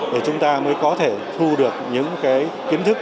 để chúng ta có thể thu được những kiến thức